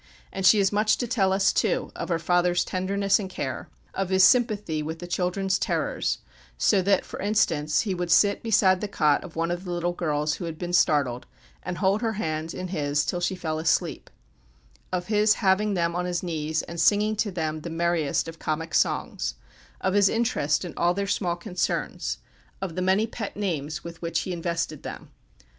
And she has much to tell us too of her father's tenderness and care, of his sympathy with the children's terrors, so that, for instance, he would sit beside the cot of one of the little girls who had been startled, and hold her hand in his till she fell asleep; of his having them on his knees, and singing to them the merriest of comic songs; of his interest in all their small concerns; of the many pet names with which he invested them.